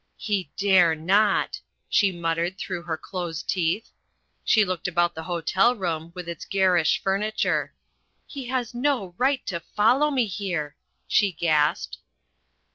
'He dare not!' she muttered through her closed teeth. She looked about the hotel room with its garish furniture. 'He has no right to follow me here,' she gasped."